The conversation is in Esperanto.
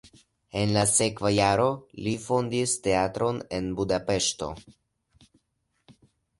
En la sekva jaro li fondis teatron en Budapeŝto.